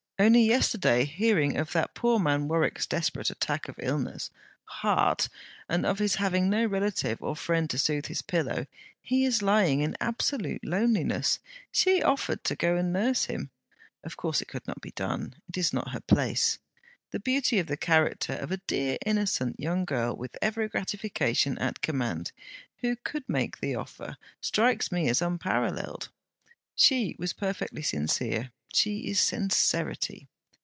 Only yesterday, hearing of that poor man Mr. Warwick's desperate attack of illness heart! and of his having no relative or friend to soothe his pillow, he is lying in absolute loneliness, she offered to go and nurse him! Of course it could not be done. It is not her place. The beauty of the character of a dear innocent young girl, with every gratification at command, who could make the offer, strikes me as unparalleled. She was perfectly sincere she is sincerity.